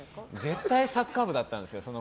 絶対サッカー部だったんですよ。